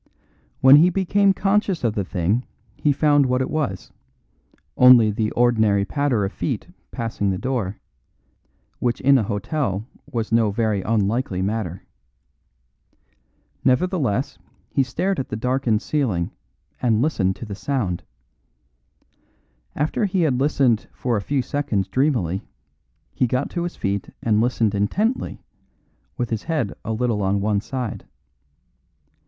When he became conscious of the thing he found what it was: only the ordinary patter of feet passing the door, which in an hotel was no very unlikely matter. Nevertheless, he stared at the darkened ceiling, and listened to the sound. After he had listened for a few seconds dreamily, he got to his feet and listened intently, with his head a little on one side.